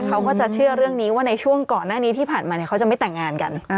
เขาก็จะเชื่อเรื่องนี้ว่าในช่วงก่อนหน้านี้ที่ผ่านมาเขาจะไม่แต่งงานกัน